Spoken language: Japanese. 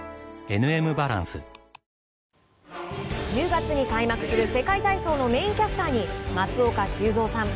１０月に開幕する世界体操のメインキャスターに松岡修造さん。